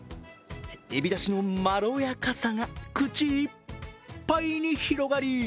えびだしのまろやかさが口いっぱいに広がり